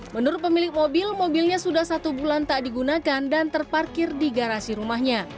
menurut pemilik mobil mobilnya sudah satu bulan tak digunakan dan terparkir di garasi rumahnya